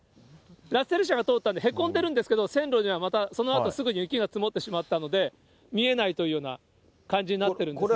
ラッセル車が通ったんで、へこんでるんですけど、線路にはまた、そのあとすぐにまた雪が積もってしまったので、見えないというような感じになってるんですね。